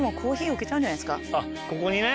あっここにね。